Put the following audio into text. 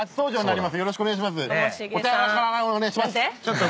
よろしくお願いします。